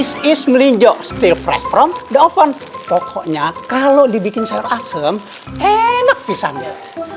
is is melinjo steel fresh from the oven pokoknya kalau dibikin sayur asem enak pisangnya